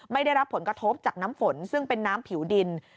ได้รับผลกระทบจากน้ำฝนซึ่งเป็นน้ำผิวดิน